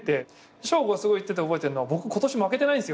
彰悟がすごい言ってて覚えてんのは僕今年負けてないんすよねってそのとき。